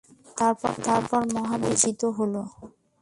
তারপর মহা বিজয় অর্জিত হল।